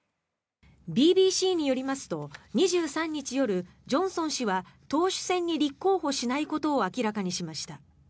ＢＢＣによりますと２３日夜、ジョンソン氏は党首選に立候補しないことを明らかにしました。